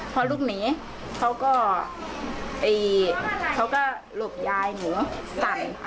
พอลูกหนีเขาก็เขาก็หลบยายหนูสั่น